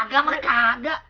gak mereka gak